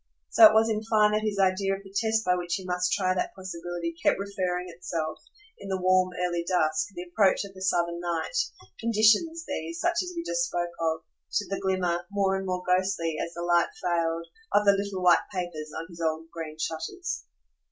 So it was in fine that his idea of the test by which he must try that possibility kept referring itself, in the warm early dusk, the approach of the Southern night "conditions" these, such as we just spoke of to the glimmer, more and more ghostly as the light failed, of the little white papers on his old green shutters.